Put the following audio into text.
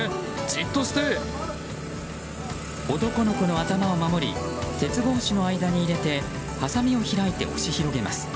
男の子の頭を守り鉄格子の間に入れてはさみを開いて押し広げます。